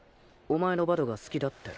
「お前のバドが好きだ」って。